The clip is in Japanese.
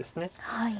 はい。